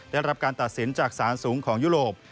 ได้รับการตัดสินจากสารสูงของยุโรป